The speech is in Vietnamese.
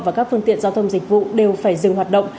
và các phương tiện giao thông dịch vụ đều phải dừng hoạt động